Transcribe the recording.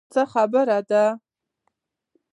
څه خبرې دي؟